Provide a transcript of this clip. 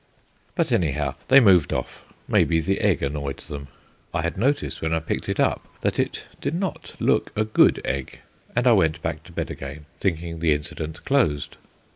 But, anyhow, they moved off; maybe the egg annoyed them. I had noticed when I picked it up that it did not look a good egg; and I went back to bed again, thinking the incident closed.